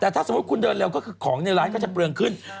แต่ถ้าสมมุติคุณเดินเร็วก็คือของในร้านก็จะเปลืองขึ้น